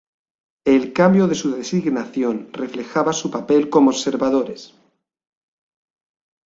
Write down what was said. El cambio de su designación reflejaba su papel como observadores.